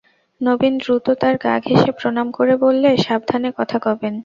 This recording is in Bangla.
নবীন দ্রুত তার গা ঘেঁষে প্রণাম করে বললে, সাবধানে কথা কবেন।